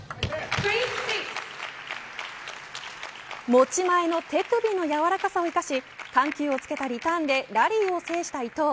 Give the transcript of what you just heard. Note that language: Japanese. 持ち前の手首のやわらかさを生かし緩急をつけたリターンでラリーを制した伊藤。